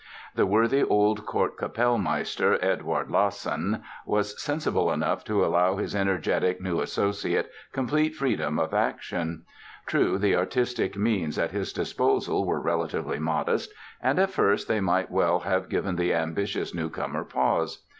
The worthy old court Kapellmeister, Eduard Lassen, was sensible enough to allow his energetic new associate complete freedom of action. True, the artistic means at his disposal were relatively modest and at first they might well have given the ambitious newcomer pause.